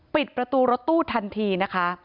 ปิดประตูรถตู้ทันทีนะคะ